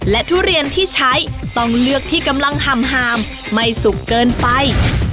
และทุเรียนที่ใช้ต้องเลือกที่กำลังหามไม่สุกเกินไป